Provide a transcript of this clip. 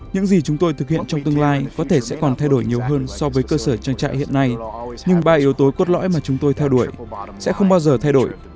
những gì chúng tôi thực hiện trong tương lai có thể sẽ còn thay đổi nhiều hơn so với cơ sở trang trại hiện nay nhưng ba yếu tố cốt lõi mà chúng tôi theo đuổi sẽ không bao giờ thay đổi